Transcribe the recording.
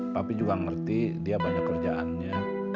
tapi juga ngerti dia banyak kerjaannya